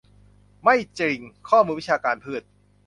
ไม่จริง ข้อมูลวิชาการ พืช